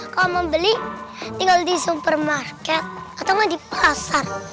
kalau mau beli tinggal di supermarket atau mau di pasar